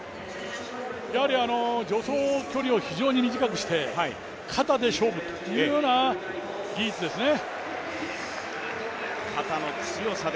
やはり助走距離を非常に短くして肩で勝負というような技術ですね。